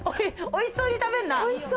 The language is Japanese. おいしそうに食べんな。